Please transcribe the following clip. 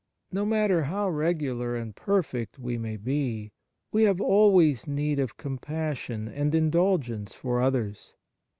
No matter how regular and perfect we may be, we have always need of compassion and indulgence for others.